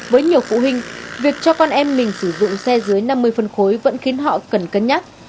với nhiều phụ huynh việc cho con em mình sử dụng xe dưới năm mươi phân khối vẫn khiến họ cần cân nhắc